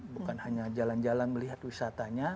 bukan hanya jalan jalan melihat wisatanya